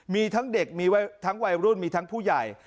มีทั้งเด็กมีทั้งวัยรุ่นมีทั้งผู้ใหญ่